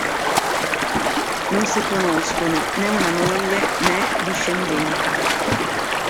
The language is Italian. Non si conoscono né una moglie né discendenti.